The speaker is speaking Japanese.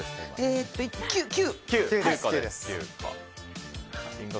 ９！